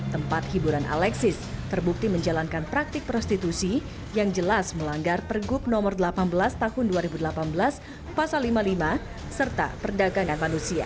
tempat hiburan alexis terbukti menjalankan praktik prostitusi yang jelas melanggar pergub nomor delapan belas tahun dua ribu delapan belas pasal lima puluh lima serta perdagangan manusia